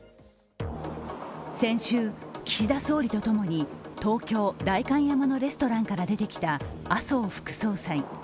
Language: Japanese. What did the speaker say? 先週、岸田総理と共に東京・代官山のレストランから出てきた麻生副総裁。